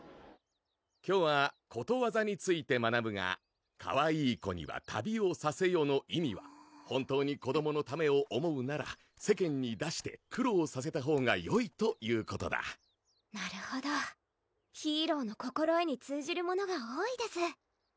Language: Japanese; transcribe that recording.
今日はことわざについて学ぶが「かわいい子には旅をさせよ」の意味は本当に子どものためを思うなら世間に出して苦労させたほうがよいということだなるほどヒーローの心得に通じるものが多いです